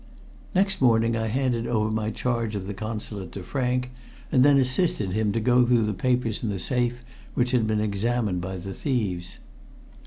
Next morning I handed over my charge of the Consulate to Frank, and then assisted him to go through the papers in the safe which had been examined by the thieves.